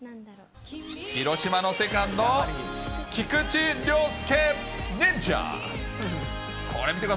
広島のセカンド、菊池涼介。